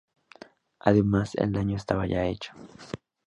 Ademas, el daño estaba ya hecho.